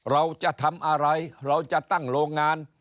เราจะทำอะไรเราจะตั้งโรงงาน